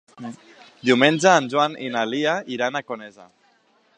Diumenge en Joan i na Lia iran a Conesa.